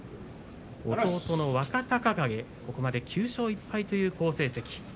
弟の若隆景、ここまで９勝１敗という好成績。